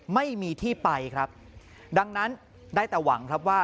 ไม่มีที่ไปครับดังนั้นได้แต่หวังครับว่า